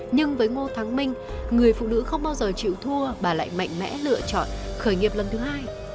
nhưng với ngô thắng minh người phụ nữ không bao giờ chịu thua bà lại mạnh mẽ lựa chọn khởi nghiệp lần thứ hai